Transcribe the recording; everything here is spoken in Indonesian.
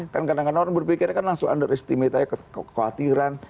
kan kadang kadang orang berpikirnya kan langsung underestimate aja kekhawatiran